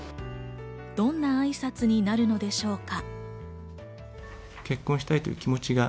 どんなあいさつになるのでしょうか。